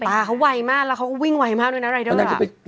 อ่าเค้าวัยมากแล้วเค้าก็วิ่งวัยมากด้วยอะไรด้วยว่ะ